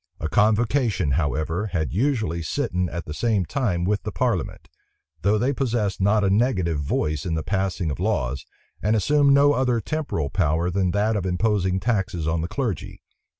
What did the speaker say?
A convocation, however, had usually sitten at the same time with the parliament; though they possessed not a negative voice in the passing of laws, and assumed no other temporal power than that of imposing taxes on the clergy.